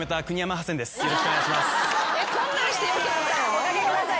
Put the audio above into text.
お掛けください